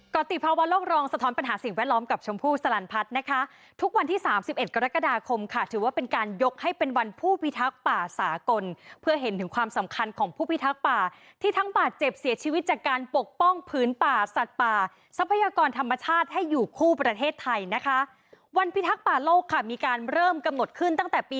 กรติภาวะโลกรองสะท้อนปัญหาสิ่งแวดล้อมกับชมพู่สลันพัฒน์นะคะทุกวันที่๓๑กรกฎาคมค่ะถือว่าเป็นการยกให้เป็นวันผู้พิทักษ์ป่าสากลเพื่อเห็นถึงความสำคัญของผู้พิทักษ์ป่าที่ทั้งป่าเจ็บเสียชีวิตจากการปกป้องพื้นป่าสัตว์ป่าทรัพยากรธรรมชาติให้อยู่คู่ประเทศไทยนะคะวันพิ